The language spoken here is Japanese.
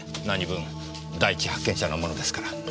何分第一発見者なものですから。